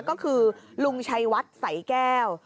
ก็คือลุงชัยวัดสายแก้ว